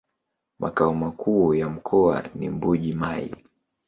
Makao makuu ya mkoa ni Mbuji-Mayi.